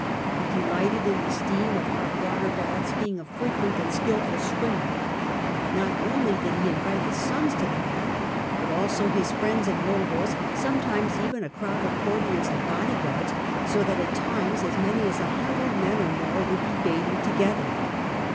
He delighted in the steam of hot water baths, being a frequent and skil ful swimmer. Not only did he invite his sons to the bath, but also his friends and nobles, sometimes even a crowd of courtiers and bodyguards, so that at times as many as a hundred men or more would be bathing together.